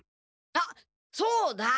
あっそうだ！